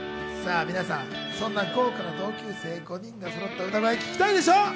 そんな豪華同級生５人がそろった歌声、聴きたいでしょ？